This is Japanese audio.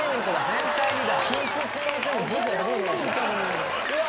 全体にだ。